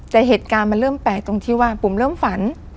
แต่เหตุการณ์มันเริ่มแปลกตรงที่ว่าปุ๋มเริ่มฝัน